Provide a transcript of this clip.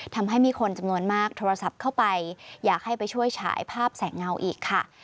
ทำให้มีคนจำนวนมากโทรศัพท์เข้าไปอยากให้ไปช่วยฉายภาพแสงเงาอีกค่ะ